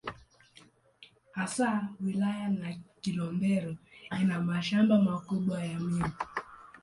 Hasa Wilaya ya Kilombero ina mashamba makubwa ya miwa.